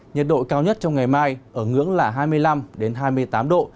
nhiệt độ cao nhất trong ngày mai ở ngưỡng là hai mươi năm hai mươi tám độ